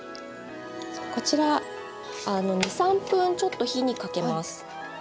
こちら２３分ちょっと火にかけます。